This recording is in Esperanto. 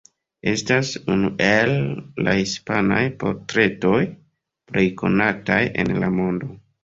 Estas unu el la hispanaj portretoj plej konataj en la mondo.